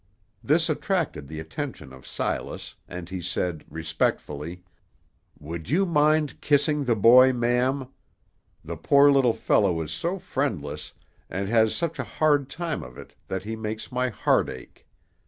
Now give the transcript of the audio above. This attracted the attention of Silas, and he said, respectfully, "Would you mind kissing the boy, ma'am? The poor little fellow is so friendless, and has such a hard time of it, that he makes my heart ache.